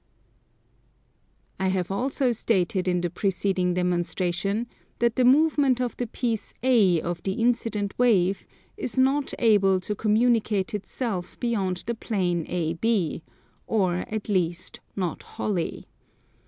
I have also stated in the preceding demonstration that the movement of the piece A of the incident wave is not able to communicate itself beyond the plane AB, or at least not wholly.